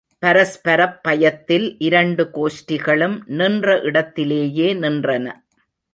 பரஸ்பரப் பயத்தில், இரண்டு கோஷ்டிகளும், நின்ற இடத்திலேயே நின்றன.